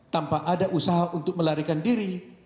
tanpa ada usaha untuk melarikan diri